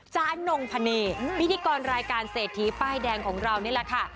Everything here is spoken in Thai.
นงพะเนพิธีกรรายการเศรษฐีป้ายแดงของเรานี่แหละค่ะ